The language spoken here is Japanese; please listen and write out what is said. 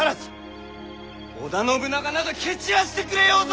織田信長など蹴散らしてくれようぞ！